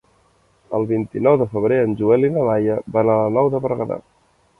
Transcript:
El vint-i-nou de febrer en Joel i na Laia van a la Nou de Berguedà.